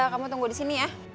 kamu tunggu di sini ya